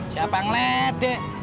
siapa yang ledek